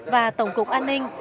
và tổng cục an ninh